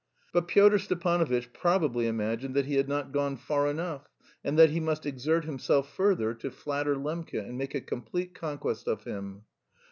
But Pyotr Stepanovitch probably imagined that he had not gone far enough and that he must exert himself further to flatter Lembke and make a complete conquest of him.